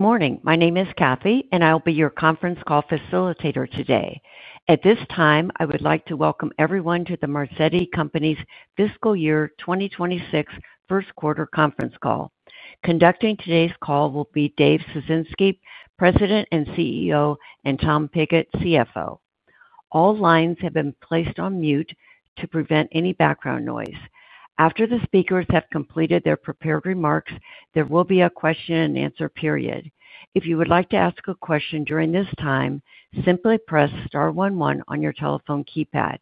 Morning. My name is Kathy, and I'll be your conference call facilitator today. At this time, I would like to welcome everyone to the Marzetti Company's Fiscal Year 2026 First Quarter Conference Call. Conducting today's call will be Dave Ciesinski, President and CEO, and Tom Pigott, CFO. All lines have been placed on mute to prevent any background noise. After the speakers have completed their prepared remarks, there will be a question-and-answer period. If you would like to ask a question during this time, simply press star one one on your telephone keypad.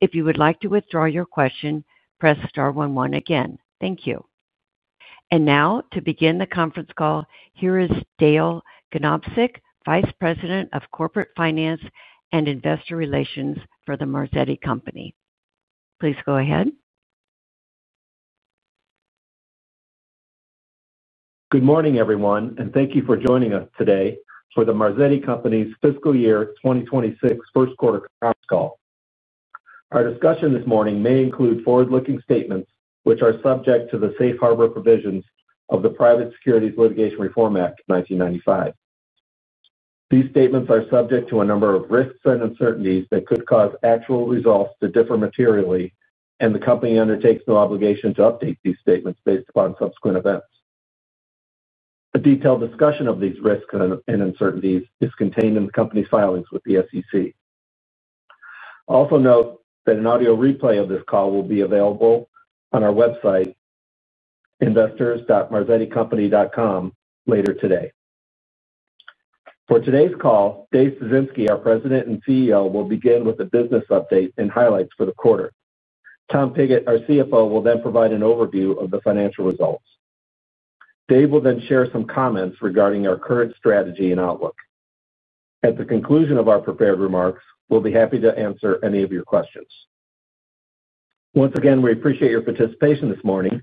If you would like to withdraw your question, press star 11 again. Thank you, and now, to begin the conference call, here is Dale Ganobsik, Vice President of Corporate Finance and Investor Relations for the Marzetti Company. Please go ahead. Good morning, everyone, and thank you for joining us today for the Marzetti Company's Fiscal Year 2026 First Quarter Conference Call. Our discussion this morning may include forward-looking statements, which are subject to the safe harbor provisions of the Private Securities Litigation Reform Act 1995. These statements are subject to a number of risks and uncertainties that could cause actual results to differ materially, and the company undertakes no obligation to update these statements based upon subsequent events. A detailed discussion of these risks and uncertainties is contained in the company's filings with the SEC. Also note that an audio replay of this call will be available on our website, investors.marzetticompany.com, later today. For today's call, Dave Ciesinski, our President and CEO, will begin with a business update and highlights for the quarter. Tom Pigott, our CFO, will then provide an overview of the financial results. Dave will then share some comments regarding our current strategy and outlook. At the conclusion of our prepared remarks, we'll be happy to answer any of your questions. Once again, we appreciate your participation this morning.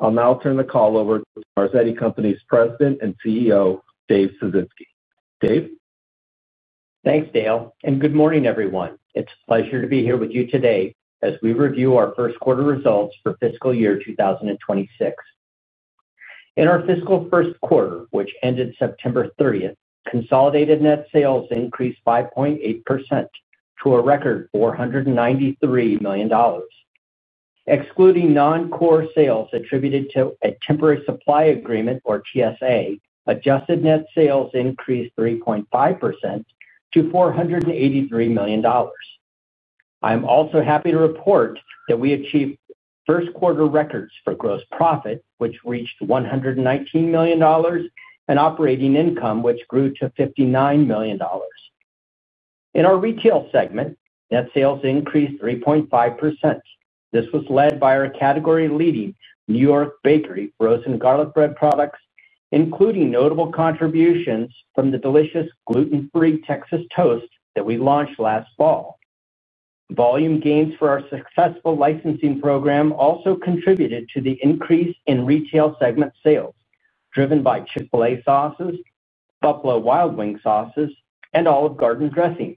I'll now turn the call over to Marzetti Company's President and CEO, Dave Ciesinski. Dave? Thanks, Dale. And good morning, everyone. It's a pleasure to be here with you today as we review our first quarter results for Fiscal Year 2026. In our fiscal first quarter, which ended September 30th, consolidated net sales increased 5.8% to a record $493 million. Excluding non-core sales attributed to a temporary supply agreement, or TSA, adjusted net sales increased 3.5% to $483 million. I'm also happy to report that we achieved first quarter records for gross profit, which reached $119 million, and operating income, which grew to $59 million. In our retail segment, net sales increased 3.5%. This was led by our category-leading New York Bakery frozen garlic bread products, including notable contributions from the delicious gluten-free Texas toast that we launched last fall. Volume gains for our successful licensing program also contributed to the increase in retail segment sales, driven by Chick-fil-A sauces, Buffalo Wild Wings sauces, and Olive Garden dressings.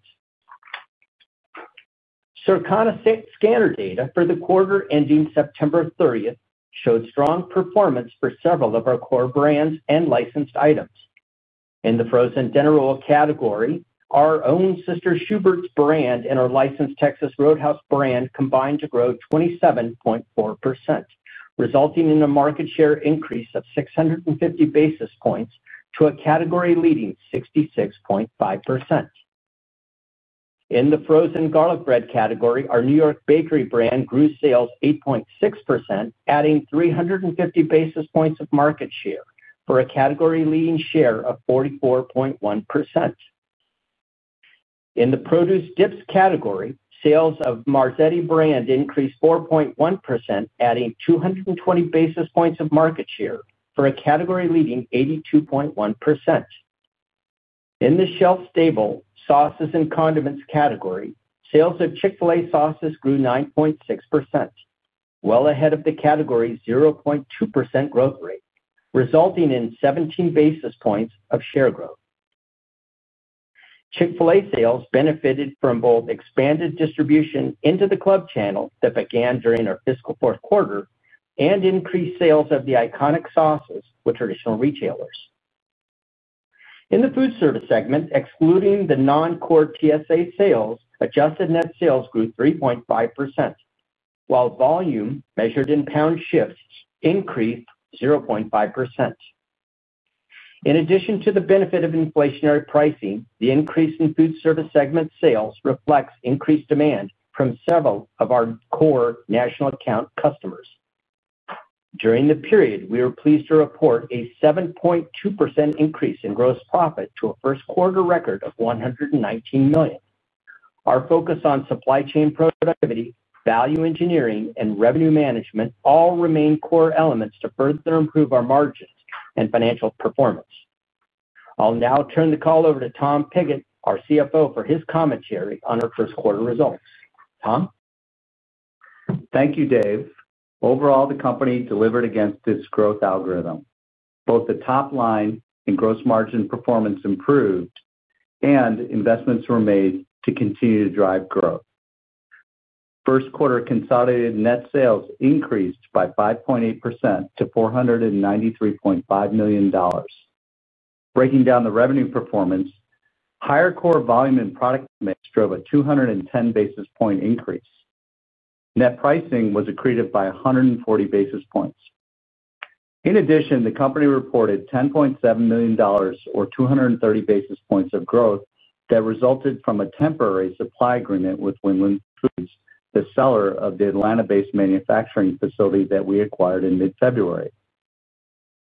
Circana scanner data for the quarter ending September 30th showed strong performance for several of our core brands and licensed items. In the frozen dinner roll category, our own Sister Schubert's brand and our licensed Texas Roadhouse brand combined to grow 27.4%, resulting in a market share increase of 650 basis points to a category-leading 66.5%. In the frozen garlic bread category, our New York Bakery brand grew sales 8.6%, adding 350 basis points of market share for a category-leading share of 44.1%. In the produce dips category, sales of Marzetti brand increased 4.1%, adding 220 basis points of market share for a category-leading 82.1%. In the shelf stable sauces and condiments category, sales of Chick-fil-A sauces grew 9.6%. Well ahead of the category's 0.2% growth rate, resulting in 17 basis points of share growth. Chick-fil-A sales benefited from both expanded distribution into the club channel that began during our fiscal fourth quarter and increased sales of the iconic sauces with traditional retailers. In the food service segment, excluding the non-core TSA sales, adjusted net sales grew 3.5%. While volume, measured in pound shifts, increased 0.5%. In addition to the benefit of inflationary pricing, the increase in food service segment sales reflects increased demand from several of our core national account customers. During the period, we were pleased to report a 7.2% increase in gross profit to a first quarter record of $119 million. Our focus on supply chain productivity, value engineering, and revenue management all remain core elements to further improve our margins and financial performance. I'll now turn the call over to Tom Pigott, our CFO, for his commentary on our first quarter results. Tom? Thank you, Dave. Overall, the company delivered against its growth algorithm. Both the top line and gross margin performance improved, and investments were made to continue to drive growth. First quarter consolidated net sales increased by 5.8% to $493.5 million. Breaking down the revenue performance, higher core volume and product mix drove a 210 basis point increase. Net pricing was accreted by 140 basis points. In addition, the company reported $10.7 million, or 230 basis points, of growth that resulted from a temporary supply agreement with Winland Foods, the seller of the Atlanta-based manufacturing facility that we acquired in mid-February.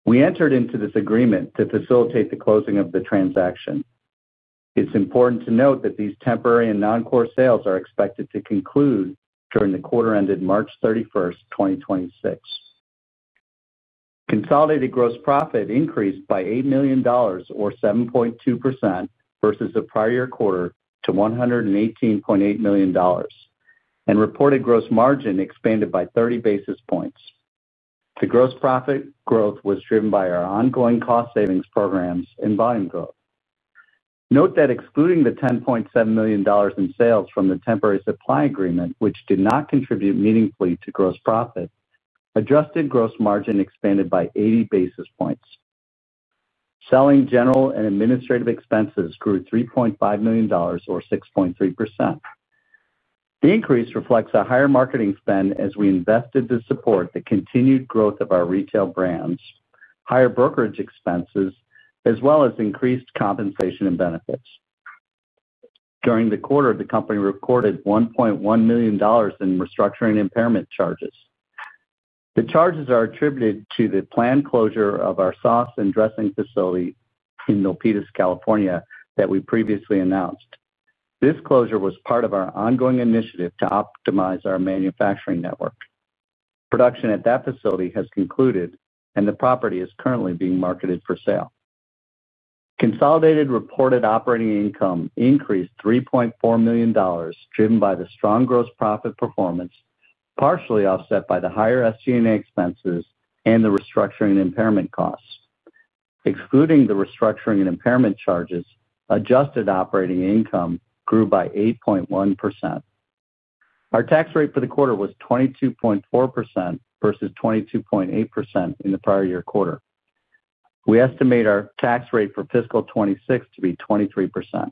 We entered into this agreement to facilitate the closing of the transaction. It's important to note that these temporary and non-core sales are expected to conclude during the quarter ended March 31st, 2026. Consolidated gross profit increased by $8 million, or 7.2%, versus the prior year quarter to $118.8 million, and reported gross margin expanded by 30 basis points. The gross profit growth was driven by our ongoing cost savings programs and volume growth. Note that excluding the $10.7 million in sales from the temporary supply agreement, which did not contribute meaningfully to gross profit, adjusted gross margin expanded by 80 basis points. Selling, general and administrative expenses grew $3.5 million, or 6.3%. The increase reflects a higher marketing spend as we invested to support the continued growth of our retail brands, higher brokerage expenses, as well as increased compensation and benefits. During the quarter, the company recorded $1.1 million in restructuring impairment charges. The charges are attributed to the planned closure of our sauce and dressing facility in Milpitas, California, that we previously announced. This closure was part of our ongoing initiative to optimize our manufacturing network. Production at that facility has concluded, and the property is currently being marketed for sale. Consolidated reported operating income increased $3.4 million, driven by the strong gross profit performance, partially offset by the higher SG&A expenses and the restructuring impairment costs. Excluding the restructuring and impairment charges, adjusted operating income grew by 8.1%. Our tax rate for the quarter was 22.4% versus 22.8% in the prior year quarter. We estimate our tax rate for fiscal 2026 to be 23%.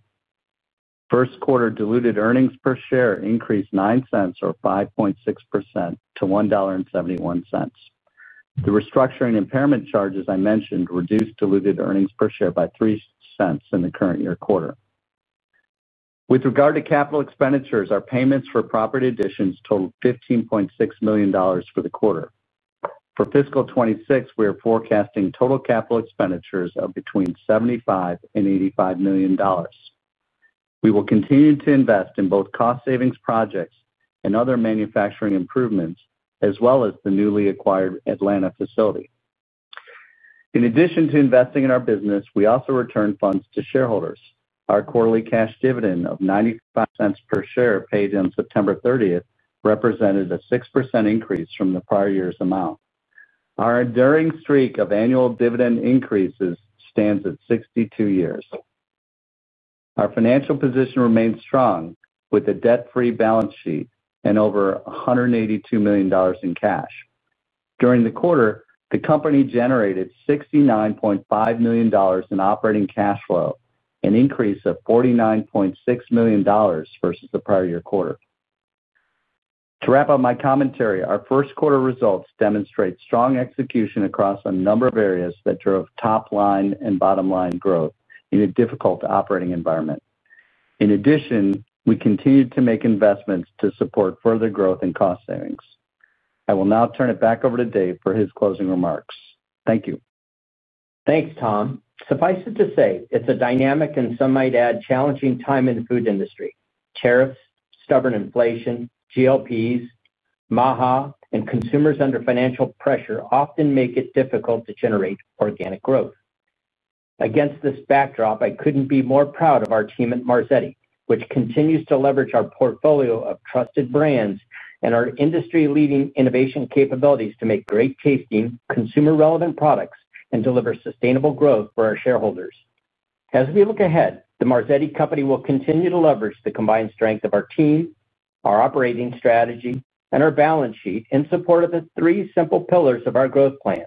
First quarter diluted earnings per share increased $0.09, or 5.6%, to $1.71. The restructuring impairment charges I mentioned reduced diluted earnings per share by $0.03 in the current year quarter. With regard to capital expenditures, our payments for property additions totaled $15.6 million for the quarter. For fiscal 2026, we are forecasting total capital expenditures of between $75 and $85 million. We will continue to invest in both cost savings projects and other manufacturing improvements, as well as the newly acquired Atlanta facility. In addition to investing in our business, we also returned funds to shareholders. Our quarterly cash dividend of $0.95 per share paid on September 30th represented a 6% increase from the prior year's amount. Our enduring streak of annual dividend increases stands at 62 years. Our financial position remains strong with a debt-free balance sheet and over $182 million in cash. During the quarter, the company generated $69.5 million in operating cash flow, an increase of $49.6 million versus the prior year quarter. To wrap up my commentary, our first quarter results demonstrate strong execution across a number of areas that drove top line and bottom line growth in a difficult operating environment. In addition, we continued to make investments to support further growth and cost savings. I will now turn it back over to Dave for his closing remarks. Thank you. Thanks, Tom. Suffice it to say, it's a dynamic and, some might add, challenging time in the food industry. Tariffs, stubborn inflation, GOPs, MAHA, and consumers under financial pressure often make it difficult to generate organic growth. Against this backdrop, I couldn't be more proud of our team at Marzetti, which continues to leverage our portfolio of trusted brands and our industry-leading innovation capabilities to make great tasting, consumer-relevant products and deliver sustainable growth for our shareholders. As we look ahead, the Marzetti Company will continue to leverage the combined strength of our team, our operating strategy, and our balance sheet in support of the three simple pillars of our growth plan: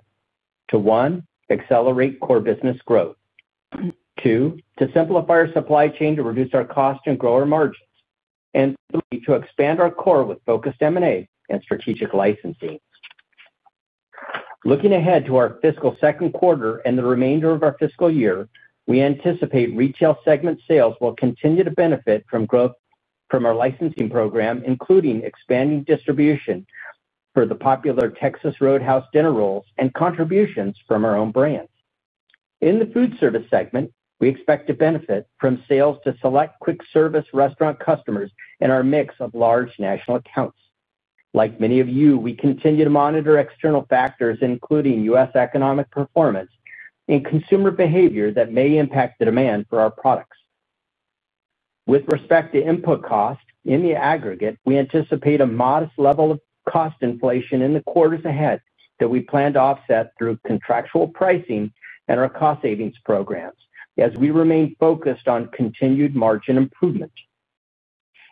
to one, accelerate core business growth; two, to simplify our supply chain to reduce our cost and grow our margins; and three, to expand our core with focused M&A and strategic licensing. Looking ahead to our fiscal second quarter and the remainder of our fiscal year, we anticipate retail segment sales will continue to benefit from growth from our licensing program, including expanding distribution for the popular Texas Roadhouse dinner rolls and contributions from our own brands. In the food service segment, we expect to benefit from sales to select quick-service restaurant customers in our mix of large national accounts. Like many of you, we continue to monitor external factors, including U.S. economic performance and consumer behavior that may impact the demand for our products. With respect to input cost, in the aggregate, we anticipate a modest level of cost inflation in the quarters ahead that we plan to offset through contractual pricing and our cost savings programs as we remain focused on continued margin improvement.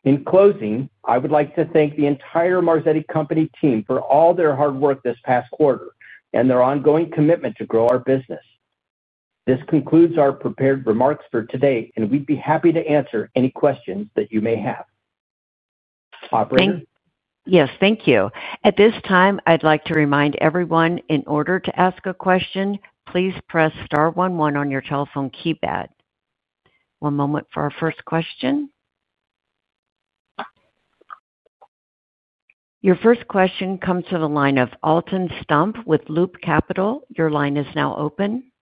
In closing, I would like to thank the entire Marzetti Company team for all their hard work this past quarter and their ongoing commitment to grow our business. This concludes our prepared remarks for today, and we'd be happy to answer any questions that you may have. Operator? Yes, thank you. At this time, I'd like to remind everyone, in order to ask a question, please press star 11 on your telephone keypad. One moment for our first question. Your first question comes from the line of Alton Stump with Loop Capital. Your line is now open.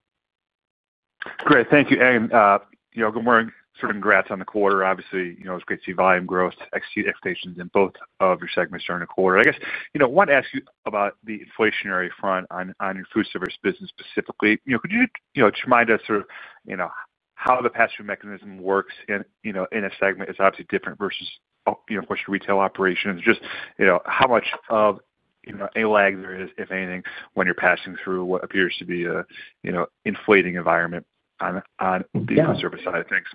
Great. Thank you, Agam. Good morning. Sincere congrats on the quarter. Obviously, it was great to see volume growth exceed expectations in both of your segments during the quarter. I guess I want to ask you about the inflationary front on your food service business specifically. Could you just remind us sort of how the pass-through mechanism works in a segment that's obviously different versus, of course, your retail operations? Just how much of a lag there is, if anything, when you're passing through what appears to be an inflating environment on the food service side of things?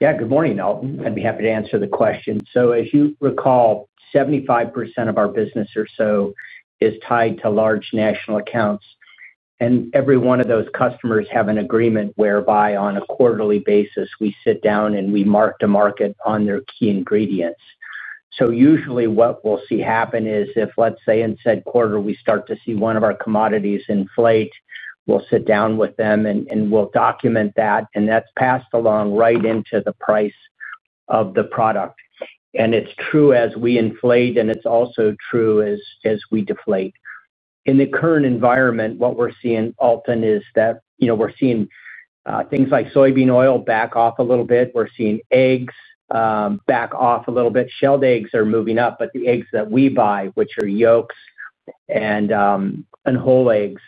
Yeah. Good morning, Alton. I'd be happy to answer the question. So as you recall, 75% of our business or so is tied to large national accounts. And every one of those customers have an agreement whereby, on a quarterly basis, we sit down and we mark to market on their key ingredients. So usually, what we'll see happen is if, let's say, in said quarter, we start to see one of our commodities inflate, we'll sit down with them and we'll document that, and that's passed along right into the price of the product. And it's true as we inflate, and it's also true as we deflate. In the current environment, what we're seeing, Alton, is that we're seeing things like soybean oil back off a little bit. We're seeing eggs back off a little bit. Shelled eggs are moving up, but the eggs that we buy, which are yolks and whole eggs,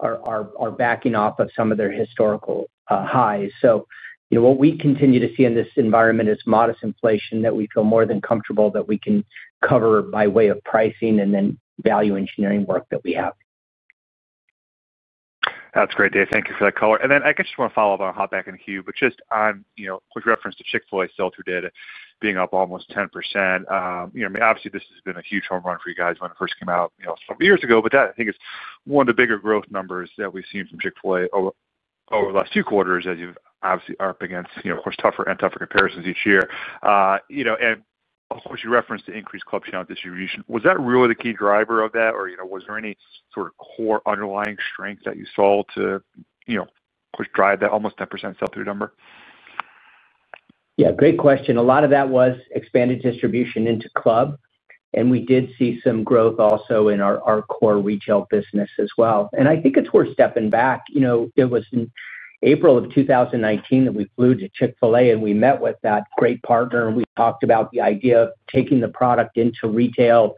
are backing off of some of their historical highs. So what we continue to see in this environment is modest inflation that we feel more than comfortable that we can cover by way of pricing and then value engineering work that we have. That's great, Dave. Thank you for that color. And then I guess I just want to follow up on a hot back-end Q, but just on, with reference to Chick-fil-A's sell-through data being up almost 10%. I mean, obviously, this has been a huge home run for you guys when it first came out several years ago, but that, I think, is one of the bigger growth numbers that we've seen from Chick-fil-A over the last two quarters, as you're obviously up against, of course, tougher and tougher comparisons each year. And, of course, you referenced the increased club channel distribution. Was that really the key driver of that, or was there any sort of core underlying strength that you saw to drive that almost 10% sell-through number? Yeah. Great question. A lot of that was expanded distribution into club, and we did see some growth also in our core retail business as well. And I think it's worth stepping back. It was in April of 2019 that we flew to Chick-fil-A, and we met with that great partner, and we talked about the idea of taking the product into retail,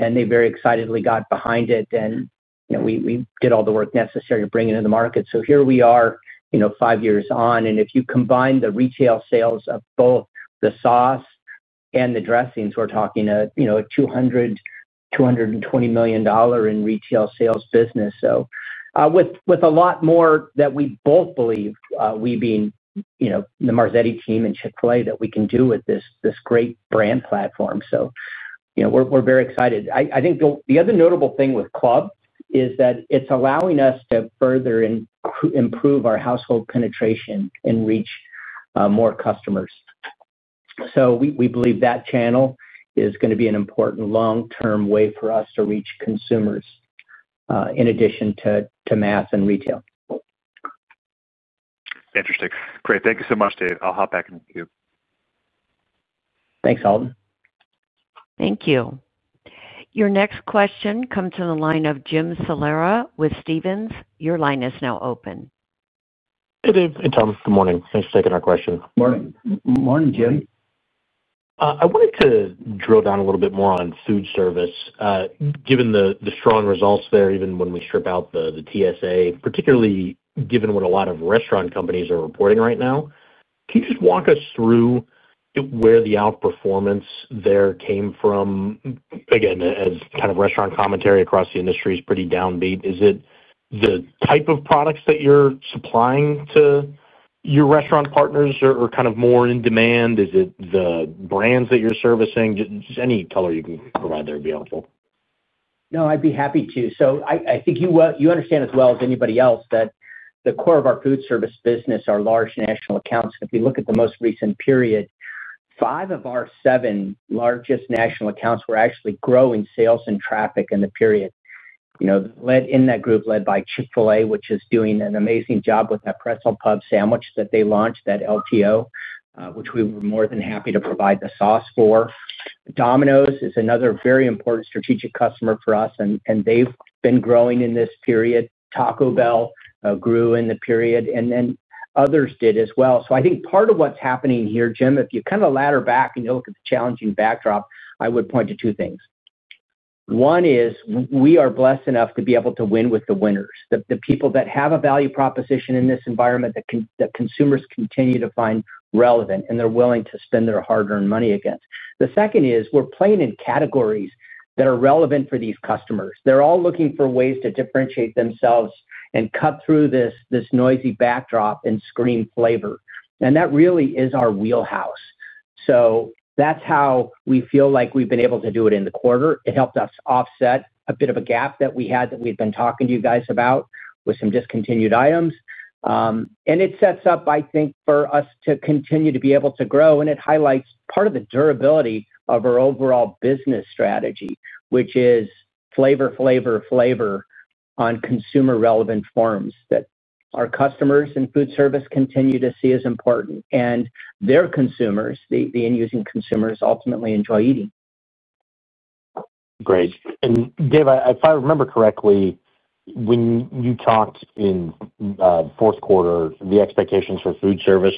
and they very excitedly got behind it, and we did all the work necessary to bring it into the market. So here we are five years on, and if you combine the retail sales of both the sauce and the dressings, we're talking a $200-$220 million retail sales business. So. With a lot more that we both believe we being the Marzetti team and Chick-fil-A that we can do with this great brand platform. So we're very excited. I think the other notable thing with club is that it's allowing us to further improve our household penetration and reach more customers. So we believe that channel is going to be an important long-term way for us to reach consumers. In addition to mass and retail. Interesting. Great. Thank you so much, Dave. I'll hop back in with you. Thanks, Alton. Thank you. Your next question comes from the line of Jim Salera with Stephens. Your line is now open. Hey, Dave. Hey, Tom. Good morning. Thanks for taking our question. Morning. Morning, Jim. I wanted to drill down a little bit more on food service, given the strong results there, even when we strip out the TSA, particularly given what a lot of restaurant companies are reporting right now. Can you just walk us through where the outperformance there came from? Again, as kind of restaurant commentary across the industry is pretty downbeat. Is it the type of products that you're supplying to your restaurant partners that are kind of more in demand? Is it the brands that you're servicing? Just any color you can provide there would be helpful. No, I'd be happy to. So I think you understand as well as anybody else that the core of our food service business are large national accounts. If you look at the most recent period, five of our seven largest national accounts were actually growing sales and traffic in the period. In that group, led by Chick-fil-A, which is doing an amazing job with that pretzel pub sandwich that they launched, that LTO, which we were more than happy to provide the sauce for. Domino's is another very important strategic customer for us, and they've been growing in this period. Taco Bell grew in the period, and then others did as well. So I think part of what's happening here, Jim, if you kind of ladder back and you look at the challenging backdrop, I would point to two things. One is we are blessed enough to be able to win with the winners, the people that have a value proposition in this environment that consumers continue to find relevant and they're willing to spend their hard-earned money against. The second is we're playing in categories that are relevant for these customers. They're all looking for ways to differentiate themselves and cut through this noisy backdrop and scream flavor. And that really is our wheelhouse. So that's how we feel like we've been able to do it in the quarter. It helped us offset a bit of a gap that we had that we've been talking to you guys about with some discontinued items. And it sets up, I think, for us to continue to be able to grow. And it highlights part of the durability of our overall business strategy, which is flavor, flavor, flavor on consumer-relevant forms that our customers in food service continue to see as important. And their consumers, the end-using consumers, ultimately enjoy eating. Great. And Dave, if I remember correctly. When you talked in the fourth quarter, the expectations for food service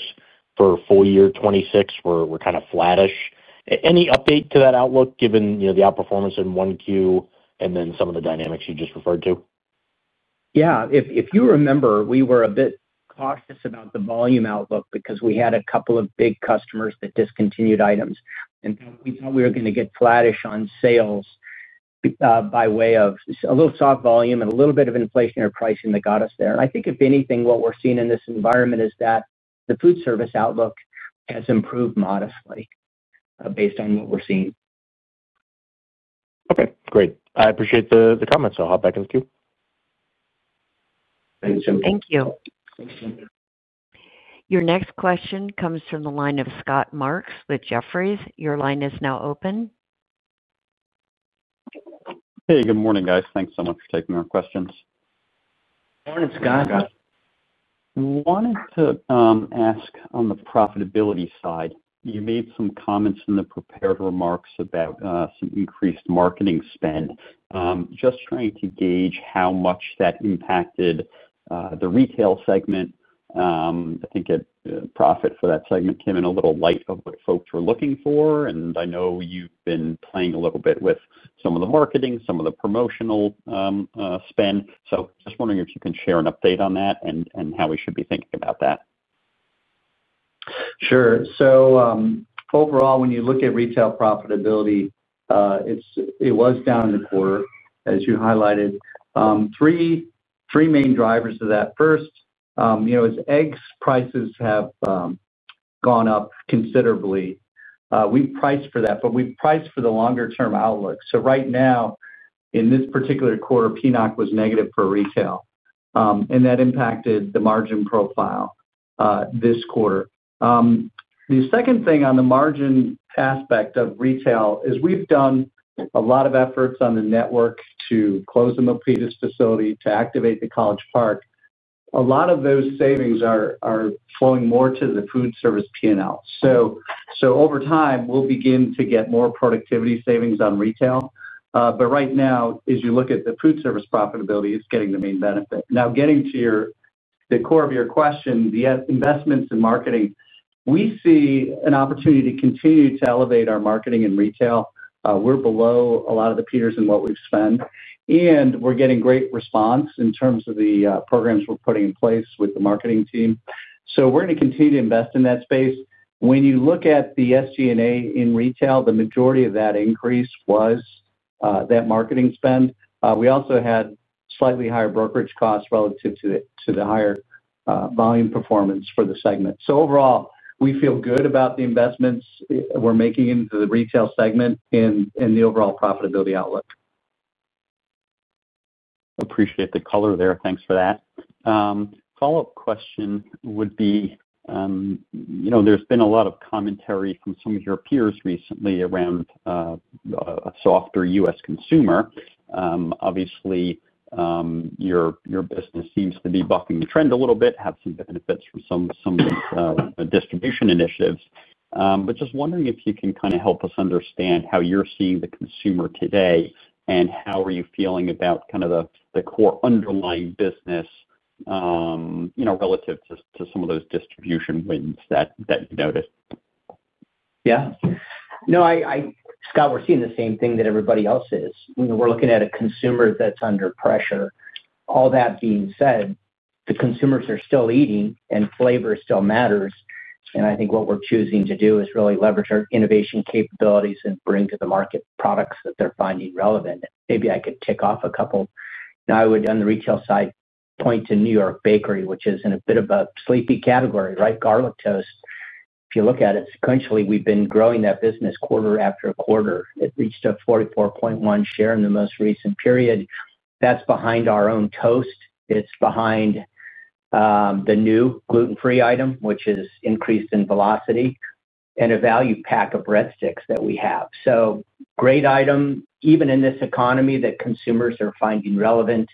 for full year 2026 were kind of flattish. Any update to that outlook given the outperformance in one Q and then some of the dynamics you just referred to? Yeah. If you remember, we were a bit cautious about the volume outlook because we had a couple of big customers that discontinued items. And we thought we were going to get flattish on sales. By way of a little soft volume and a little bit of inflationary pricing that got us there. And I think, if anything, what we're seeing in this environment is that the food service outlook has improved modestly based on what we're seeing. Okay. Great. I appreciate the comments. I'll hop back in with you. Thanks, Jim. Thank you. Thanks, Jim. Your next question comes from the line of Scott Marks with Jefferies. Your line is now open. Hey, good morning, guys. Thanks so much for taking our questions. Morning, Scott. Morning, Scott. I wanted to ask on the profitability side. You made some comments in the prepared remarks about some increased marketing spend. Just trying to gauge how much that impacted the retail segment. I think profit for that segment came in a little light of what folks were looking for. And I know you've been playing a little bit with some of the marketing, some of the promotional spend, so just wondering if you can share an update on that and how we should be thinking about that. Sure. So, overall, when you look at retail profitability, it was down in the quarter, as you highlighted. Three main drivers of that. First, egg prices have gone up considerably. We've priced for that, but we've priced for the longer-term outlook, so right now, in this particular quarter, the net was negative for retail. And that impacted the margin profile this quarter. The second thing on the margin aspect of retail is we've done a lot of efforts on the network to close the Milpitas facility, to activate the College Park. A lot of those savings are flowing more to the food service P&L. So over time, we'll begin to get more productivity savings on retail. But right now, as you look at the food service profitability, it's getting the main benefit. Now, getting to the core of your question, the investments in marketing, we see an opportunity to continue to elevate our marketing in retail. We're below a lot of the peers in what we've spent. And we're getting great response in terms of the programs we're putting in place with the marketing team, so we're going to continue to invest in that space. When you look at the SG&A in retail, the majority of that increase was that marketing spend. We also had slightly higher brokerage costs relative to the higher volume performance for the segment, so overall, we feel good about the investments we're making into the retail segment and the overall profitability outlook. Appreciate the color there. Thanks for that. Follow-up question would be. There's been a lot of commentary from some of your peers recently around a softer U.S. consumer. Obviously, your business seems to be bucking the trend a little bit, have some benefits from some of those distribution initiatives. But just wondering if you can kind of help us understand how you're seeing the consumer today and how are you feeling about kind of the core underlying business relative to some of those distribution wins that you noticed? Yeah. No, Scott, we're seeing the same thing that everybody else is. We're looking at a consumer that's under pressure. All that being said, the consumers are still eating and flavor still matters. And I think what we're choosing to do is really leverage our innovation capabilities and bring to the market products that they're finding relevant. Maybe I could tick off a couple. I would, on the retail side, point to New York Bakery, which is in a bit of a sleepy category, right? Garlic toast. If you look at it, sequentially, we've been growing that business quarter after quarter. It reached a 44.1% share in the most recent period. That's behind our own toast. It's behind. The new gluten-free item, which has increased in velocity, and a value pack of breadsticks that we have. So great item, even in this economy that consumers are finding relevant.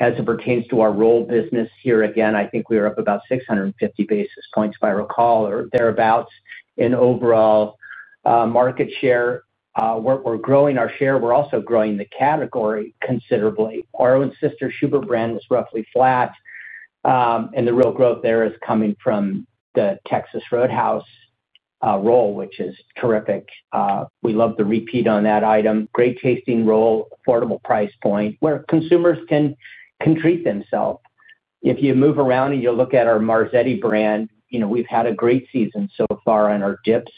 As it pertains to our roll business here, again, I think we are up about 650 basis points, if I recall, or thereabouts, in overall market share. We're growing our share. We're also growing the category considerably. Our own Sister Schubert's brand is roughly flat. And the real growth there is coming from the Texas Roadhouse roll, which is terrific. We love the repeat on that item. Great tasting roll, affordable price point, where consumers can treat themselves. If you move around and you look at our Marzetti brand, we've had a great season so far on our dips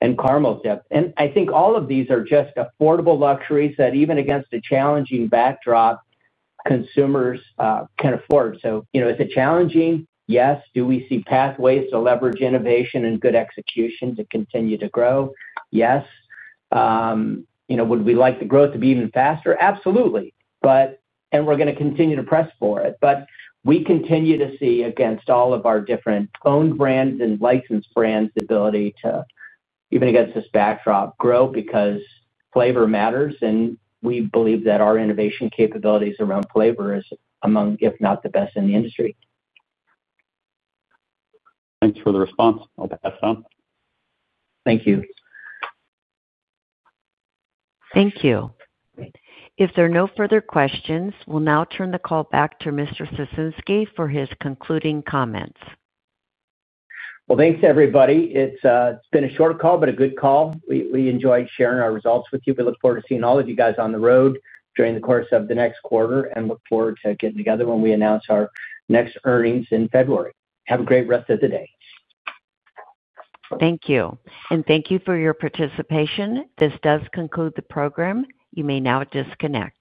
and caramel dips. And I think all of these are just affordable luxuries that, even against a challenging backdrop, consumers can afford. So it's a challenging, yes. Do we see pathways to leverage innovation and good execution to continue to grow? Yes. Would we like the growth to be even faster? Absolutely. And we're going to continue to press for it. But we continue to see, against all of our different owned brands and licensed brands, the ability to, even against this backdrop, grow because flavor matters. And we believe that our innovation capabilities around flavor are among, if not the best in the industry. Thanks for the response. I'll pass it on. Thank you. Thank you. If there are no further questions, we'll now turn the call back to Mr. Ciesinski for his concluding comments. Thanks, everybody. It's been a short call, but a good call. We enjoyed sharing our results with you. We look forward to seeing all of you guys on the road during the course of the next quarter and look forward to getting together when we announce our next earnings in February. Have a great rest of the day. Thank you. And thank you for your participation. This does conclude the program. You may now disconnect.